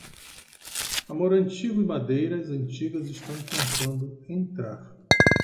Amor antigo e madeiras antigas estão tentando entrar.